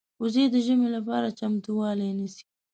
وزې د ژمې لپاره چمتووالی نیسي